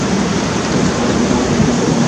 Sir, আমরা তাদেরকে যে ওষুধ দিয়েছি।